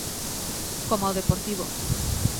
Coma o Deportivo.